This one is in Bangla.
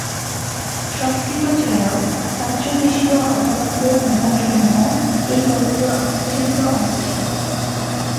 সংস্কৃত ছাড়াও প্রাচ্যদেশীয় অথবা টোল বিভাগসমূহ এই কলেজের অবিচ্ছেদ্য অঙ্গ ছিল।